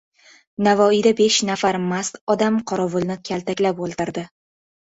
Navoiyda besh nafar mast odam qorovulni kaltaklab o‘ldirdi